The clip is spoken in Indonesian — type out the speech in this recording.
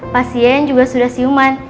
pasien juga sudah siuman